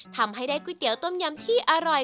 ทำให้ได้ก๋วยเตี๋ยต้มยำที่อร่อย